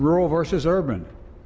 rural versus urban